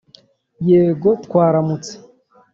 Yego twaramutse!!!